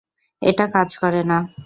এটা কাজ করে না।